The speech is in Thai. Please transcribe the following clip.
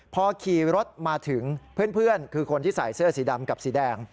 พอขี่รถมาถึงเพื่อนคือคนที่ใส่เสื้อสีดำกับสีแดง